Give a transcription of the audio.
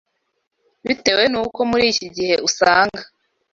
Bitewe n’uko muri iki gihe usanga